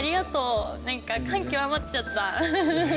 感極まっちゃった。